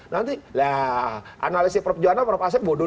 nanti ya analisi perp jualan perp aset bodoh